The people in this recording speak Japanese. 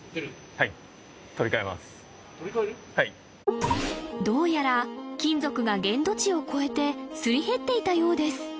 はいどうやら金属が限度値を超えてすり減っていたようです